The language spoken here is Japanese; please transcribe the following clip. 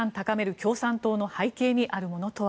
共産党の背景にあるものとは。